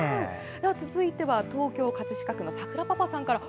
続いて東京・葛飾区のさくらパパさんから。